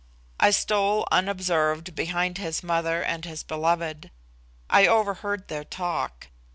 I stole unobserved behind his mother and his beloved. I overheard their talk.